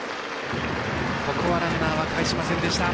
ここはランナーはかえしませんでした。